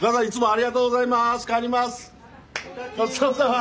ありがとうございます。